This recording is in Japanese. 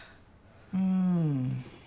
うん。